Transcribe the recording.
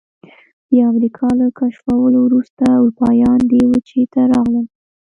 د امریکا له کشفولو وروسته اروپایان دې وچې ته راغلل.